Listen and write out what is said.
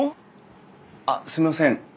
あっすいません！